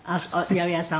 「八百屋さんを」